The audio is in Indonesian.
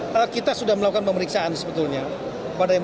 terkait status dia tersangka di jawa barat bagaimana